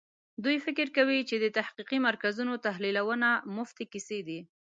دوی فکر کوي چې د تحقیقي مرکزونو تحلیلونه مفتې کیسې دي.